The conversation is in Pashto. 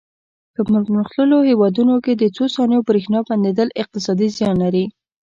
په پرمختللو هېوادونو کې د څو ثانیو برېښنا بندېدل اقتصادي زیان لري.